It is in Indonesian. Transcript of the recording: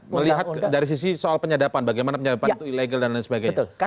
melihat dari sisi soal penyadapan bagaimana penyadapan itu ilegal dan lain sebagainya